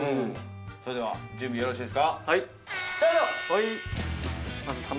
それでは準備よろしいですかはいスタート